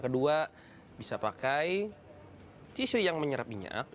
kedua bisa pakai tisu yang menyerap minyak